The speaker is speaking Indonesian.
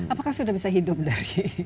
apakah sudah bisa hidup dari